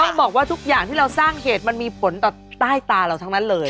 ต้องบอกว่าทุกอย่างที่เราสร้างเหตุมันมีผลต่อใต้ตาเราทั้งนั้นเลย